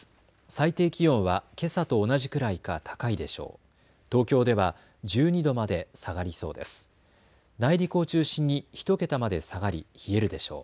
最低気温はけさと同じくらいか高いでしょう。